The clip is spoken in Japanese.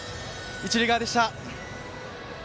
一塁側でした。